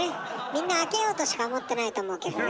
みんな「開けよう」としか思ってないと思うけどね。